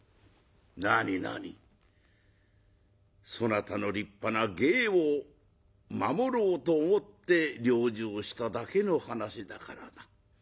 「なになにそなたの立派な芸を守ろうと思って療治をしただけの話だからな」。